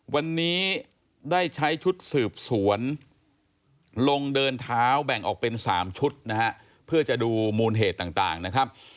วันนี้ได้ใช้ชุดสืบสวนลงเดินเท้าแบ่งออกเป็น๓ชุดนะฮะเพื่อจะดูมูลเหตุต่างนะครับ